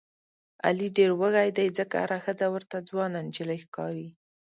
علي ډېر وږی دی ځکه هره ښځه ورته ځوانه نجیلۍ ښکاري.